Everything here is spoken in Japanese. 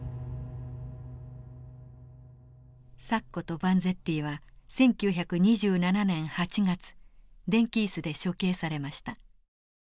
サッコとバンゼッティは１９２７年８月電気椅子で処刑されました。